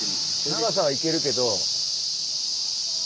長さはいけるけど。